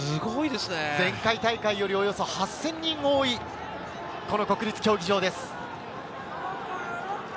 前回大会よりおよそ８０００人多い、この国立競技場です。